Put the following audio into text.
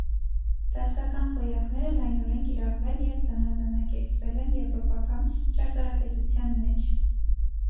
Դասական խոյակները լայնորեն կիրառվել և զանազանակերպվել են եվրոպական ճարտարապետության մեջ։